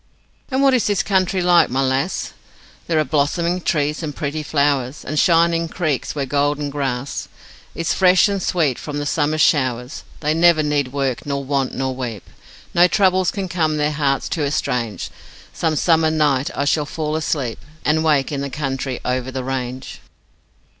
'And what is this country like, my lass?' 'There are blossoming trees and pretty flowers, And shining creeks where the golden grass Is fresh and sweet from the summer showers. They never need work, nor want, nor weep; No troubles can come their hearts to estrange. Some summer night I shall fall asleep, And wake in the country over the range.'